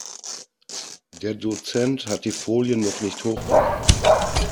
Der Dozent hat die Folien noch nicht hochgeladen.